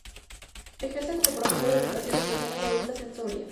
Ejerce como profesor de educación de personas adultas en Soria.